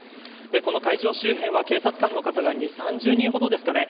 この会場周辺は警察官の方が２０３０人ほどですかね